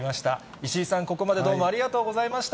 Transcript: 石井さん、ここまでどうもありがとうございました。